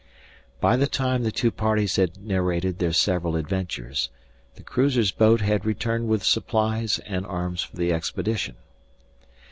By the time the two parties had narrated their several adventures, the cruiser's boat had returned with supplies and arms for the expedition.